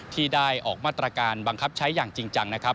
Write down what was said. ที่ได้ออกมาตรการบังคับใช้อย่างจริงจังนะครับ